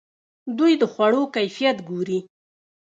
دوی د خوړو کیفیت ګوري.